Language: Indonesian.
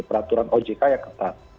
peraturan ojk yang ketat